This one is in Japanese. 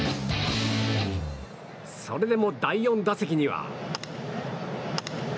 それでも第４打席には。